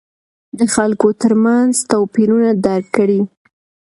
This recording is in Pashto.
د خلکو ترمنځ توپیرونه درک کړئ.